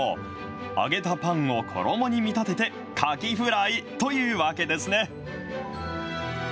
揚げたパンを衣に見立てて、かきフライというわけですね。